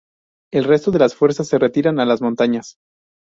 El resto de las fuerzas, se retiran a las montañas.